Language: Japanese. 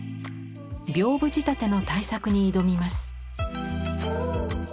屏風仕立ての大作に挑みます。